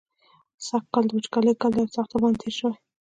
سږکال د وچکالۍ کال دی او سخت ورباندې تېر شوی.